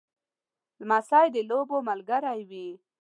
لمسی د لوبو ملګری وي.